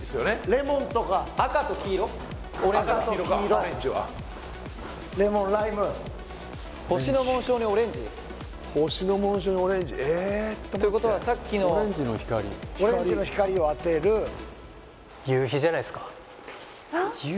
レモンとか赤と黄色赤と黄色かオレンジはレモンライム星の紋章にオレンジ星の紋章にオレンジえーてことはさっきのオレンジの光オレンジの光を当てる夕日？